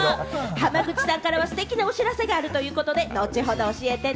浜口さんからはステキなお知らせがあるということで、後ほど教えてね！